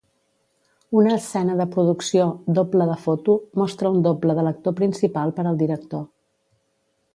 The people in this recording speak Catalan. Una escena de producció "doble de foto" mostra un doble de l'actor principal per al director.